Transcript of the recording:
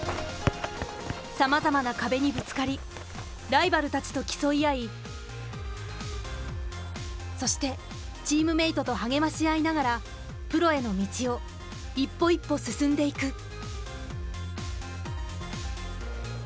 さまざまな壁にぶつかりライバルたちと競い合いそしてチームメートと励まし合いながらプロへの道を一歩一歩進んでいく。